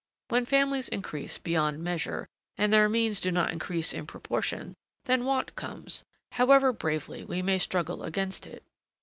When families increase beyond measure, and their means do not increase in proportion, then want comes, however bravely we may struggle against it.